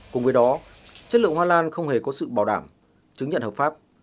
cùng với đó chất lượng hoa lan không hề có sự bảo đảm chứng nhận hợp pháp